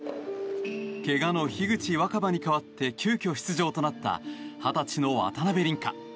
怪我の樋口新葉に代わって急きょ出場となった２０歳の渡辺倫果。